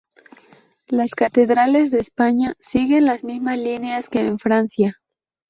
Las catedrales de España siguen las mismas líneas que en Francia.